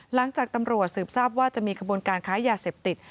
หลังจากตำรวจสืบทราบว่าจะมีขบวนการค้ายาเสพติด